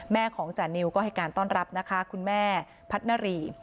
แม่ของจานิวก็ให้การต้อนรับนะคะคุณแม่พัฒนารี